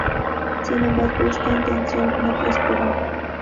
Sin embargo, esta intención no prosperó.